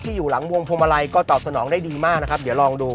อยู่หลังวงพวงมาลัยก็ตอบสนองได้ดีมากนะครับเดี๋ยวลองดู